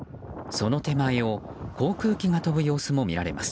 その手前を航空機が飛ぶ様子も見られます。